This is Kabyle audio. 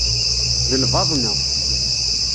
D lbaḍna.